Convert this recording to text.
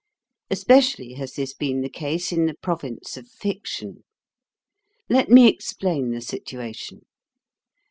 Especially has this been the case in the province of fiction. Let me explain the situation.